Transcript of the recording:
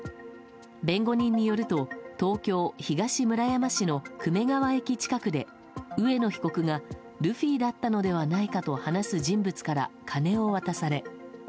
弁護人によると東京・東村山市の久米川駅近くで上野被告がルフィだったのではないかと話す人物から金を渡され。